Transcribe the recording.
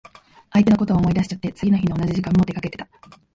相手のこと思い出しちゃって、次の日の同じ時間も出かけてた。